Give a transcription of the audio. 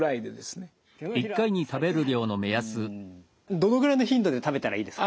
どのぐらいの頻度で食べたらいいですか？